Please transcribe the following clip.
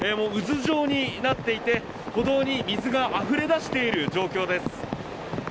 渦状になっていて歩道に水があふれだしている状況です。